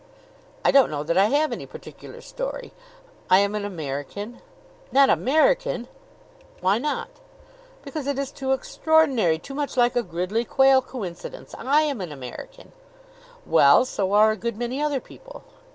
"I don't know that I have any particular story. I am an American." "Not American!" "Why not?" "Because it is too extraordinary, too much like a Gridley Quayle coincidence. I am an American!" "Well, so are a good many other people."